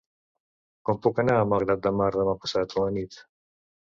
Com puc anar a Malgrat de Mar demà passat a la nit?